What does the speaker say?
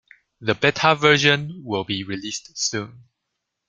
The Beta version will be released soon.